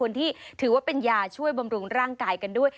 ที่ถือว่าเป็นยาช่วยบำรุงร่างกายกันด้วย